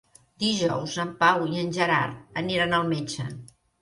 Dijous en Pau i en Gerard aniran al metge.